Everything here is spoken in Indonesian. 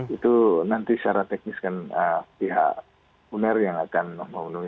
itu nanti secara teknis kan pihak uner yang akan memenuhi